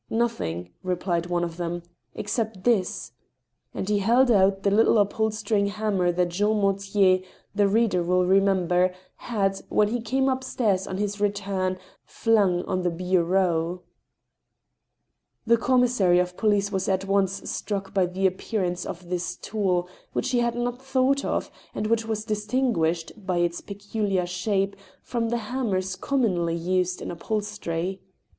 "•* Nothing," replied one of them, " except this," and he held out the little upholstering hammer that Jean Mortier, the reader will remember, had, when he came up stairs on his return, flung on the bureau. The commissary of police was at once struck by the appearance of this tool, which he had not thought of, and which was distin guished, by its peculiar shape, from the hammers commonly used in upholstery.